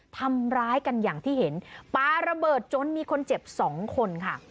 ทำร้ายกันอย่างที่เห็นปลาระเบิดจนมีคนเจ็บสองคนค่ะ